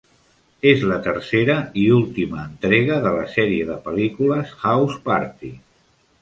És la tercera i última entrega de la sèrie de pel·lícules "House Party".